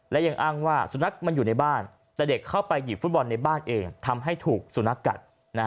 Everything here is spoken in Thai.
และยังอ้างว่าสุนัขมันอยู่ในบ้านแต่เด็กเข้าไปหยิบฟุตบอลในบ้านเองทำให้ถูกสุนัขกัด